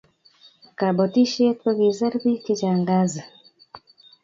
kabotishe kokiser biik chechang kazii